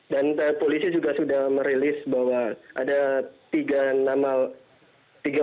dan polisi juga sudah merilis bahwa ada tiga nama